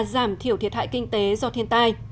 giảm thiểu thiệt hại kinh tế do thiên tai